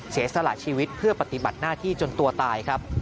สละชีวิตเพื่อปฏิบัติหน้าที่จนตัวตายครับ